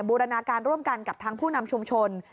บูรณาการร่วมกันกับทางผู้นำชุมชน